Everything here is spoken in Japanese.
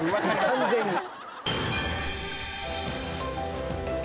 完全に。